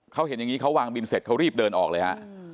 เขาเห็นอย่างนี้เขาวางบินเสร็จเขารีบเดินออกเลยฮะ